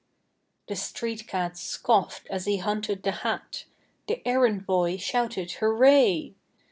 The street cad scoffed as he hunted the hat, The errand boy shouted hooray!